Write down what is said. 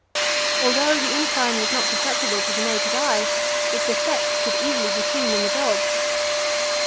Although the incline was not perceptible to the naked eye, its effect could easily be seen in the dogs.